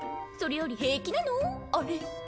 それより平気なのあれ。